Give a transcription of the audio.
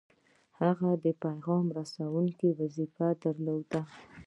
هغه د پیغام رسوونکي وظیفه درلوده.